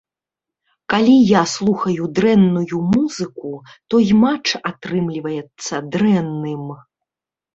Калі я слухаю дрэнную музыку, то і матч атрымліваецца дрэнным.